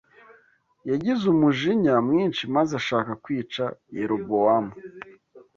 yagize umujinya mwinshi maze ashaka kwica Yerobowamu